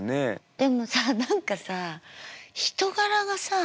でもさ何かさ人柄がさあ。